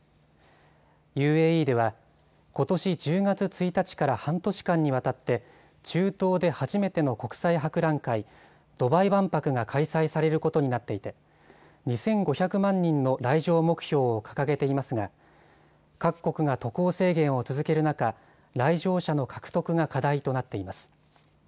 ＵＡＥではことし１０月１日から半年間にわたって中東で初めての国際博覧会、ドバイ万博が開催されることになっていて２５００万人の来場目標を掲げていますが各国が渡航制限を続ける中、来場者の獲得が課題となっています。